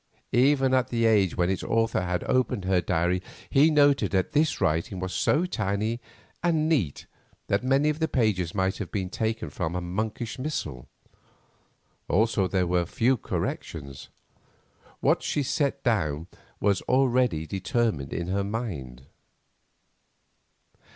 Even at the age when its author had opened her diary, he noted that this writing was so tiny and neat that many of the pages might have been taken from a monkish missal. Also there were few corrections; what she set down was already determined in her mind.